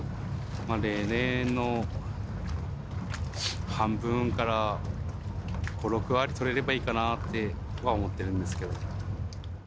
例年の半分から、５、６割取れればいいかなって思っているんですけど。